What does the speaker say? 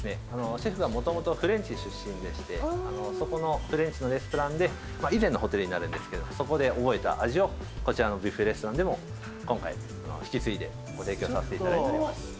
シェフがもともとフレンチ出身でしてそこのフレンチのレストランで以前のホテルになるんですけどそこで覚えた味をこちらのビュッフェレストランでも今回引き継いでご提供させていただいております。